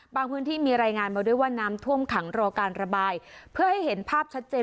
พื้นที่มีรายงานมาด้วยว่าน้ำท่วมขังรอการระบายเพื่อให้เห็นภาพชัดเจน